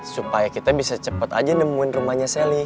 supaya kita bisa cepat aja nemuin rumahnya sally